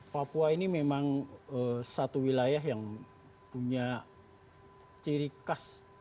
papua ini memang satu wilayah yang punya ciri khas